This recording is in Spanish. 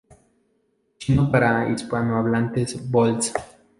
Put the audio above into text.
Chino para hispanohablantes, vols.